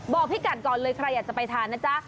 พี่กัดก่อนเลยใครอยากจะไปทานนะจ๊ะ